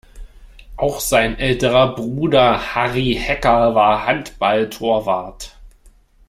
Auch sein älterer Bruder Harry Hecker war Handballtorwart.